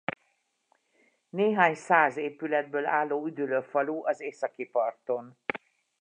Néhány száz épületből álló üdülő falu az északi parton.